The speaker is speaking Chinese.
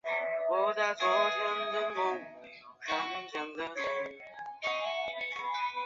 两者封面俱似电影中的信封。